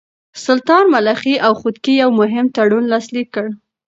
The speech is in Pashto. سلطان ملخي او خودکي يو مهم تړون لاسليک کړ.